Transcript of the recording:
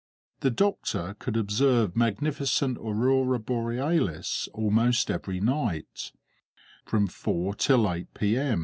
The doctor could observe magnificent aurora borealis almost every night; from four till eight p.m.